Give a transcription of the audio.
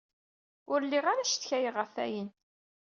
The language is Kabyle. Ur lliɣ ara cetkayeɣ ɣef ayen.